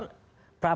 kedai kopi sama ya